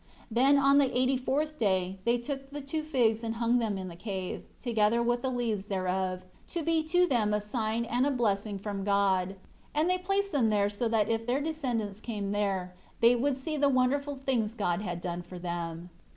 5 Then on the eighty fourth day, they took the two figs and hung them in the cave, together with the leaves thereof, to be to them a sign and a blessing from God. And they placed them there so that if their descendants came there, they would see the wonderful things God had done for them.